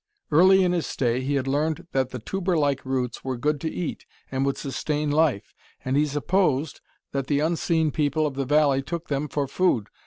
Early in his stay, he had learned that the tuberlike roots were good to eat and would sustain life, and he supposed that the unseen people of the valley took them for food.